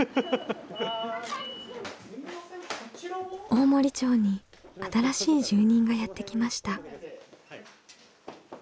大森町に新しい住人がやって来ました。